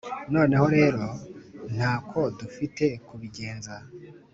Noneho rero nta ko dufite kubigenza.